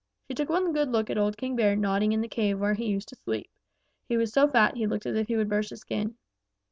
She took one good look at old King Bear nodding in the cave where he used to sleep. He was so fat he looked as if he would burst his skin.